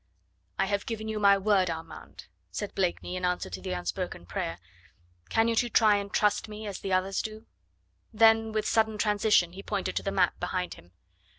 "I have given you my word, Armand," said Blakeney in answer to the unspoken prayer; "cannot you try and trust me as the others do? Then with sudden transition he pointed to the map behind him.